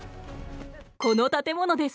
この建物です。